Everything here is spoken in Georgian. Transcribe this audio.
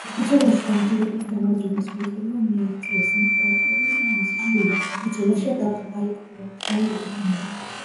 ბრძოლაში დამაჯერებელ გამარჯვებას გუთებმა მიაღწიეს, იმპერატორი და მისი შვილი ბრძოლაში დაიღუპნენ.